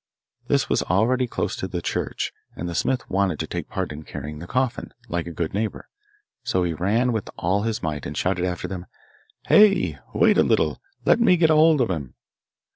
This was already close to the church, and the smith wanted to take part in carrying the coffin, like a good neighbour. So he ran with all his might, and shouted after them, 'Hey! wait a little; let me get a hold of him!